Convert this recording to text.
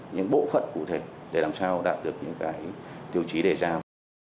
những bộ phận cụ thể để làm sao đạt được những tiêu chí để giao